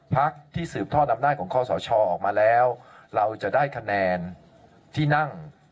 พักที่สืบทอดอำนาจของคอสชออกมาแล้วเราจะได้คะแนนที่นั่ง